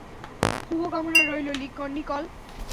শুভকামনা রইলো, নিকোল।